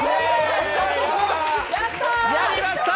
やりました！